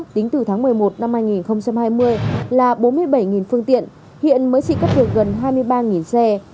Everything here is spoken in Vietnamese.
tính từ tháng một mươi một năm hai nghìn hai mươi là bốn mươi bảy phương tiện hiện mới chỉ cấp được gần hai mươi ba xe